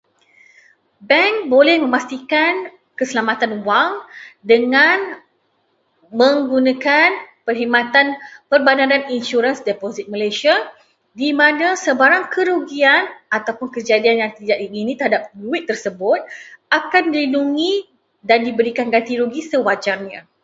Bank boleh memastikan keselamatan wang dengan menggunakan perkhidmatan Perbadanan Insurans Deposit Malaysia, di mana sebarang kerugian ataupun kejadian yang tidak diingini terhadap duit tersebut akan dilindungi dan diberikan ganti rugi sewajarnya.